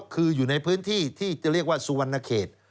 คืออยู่ในพื้นที่ที่จะเรียกว่าสุวรรณเขต